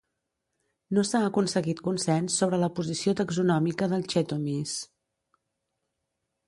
No s'ha aconseguit consens sobre la posició taxonòmica del "Chaetomys".